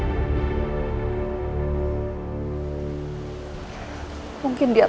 tapi plim bernyanyi bing